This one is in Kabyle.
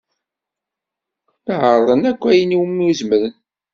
La ɛerrḍen akk ayen umi zemren.